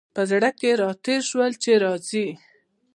په زړه کي را تېر شول چي راځي !